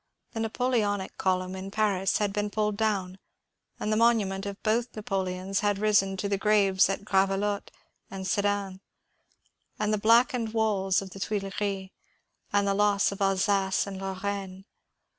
The Napoleonic column in Paris had been pulled down, and the monument of both Napoleons had risen in the graves at Gravelotte and Sedan, the blackened walls of the Tuileries, and the loss of Alsace and Lorraine.